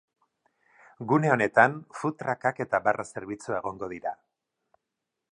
Gune honetan food truck-ak eta barra zerbitzua egongo dira.